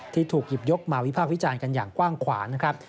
ที่ถูกหยิบยกมาวิพากษ์วิจารณ์กันอย่างกว้างขวางนะครับ